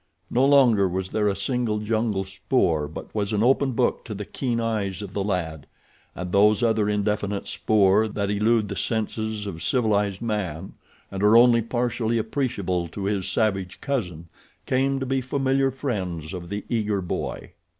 No longer was there a single jungle spoor but was an open book to the keen eyes of the lad, and those other indefinite spoor that elude the senses of civilized man and are only partially appreciable to his savage cousin came to be familiar friends of the eager boy.